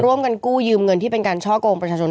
ร่วมกันกู้ยืมเงินที่เป็นการช่อกงประชาชน